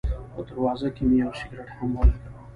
په دروازه کې مې یو سګرټ هم ولګاوه.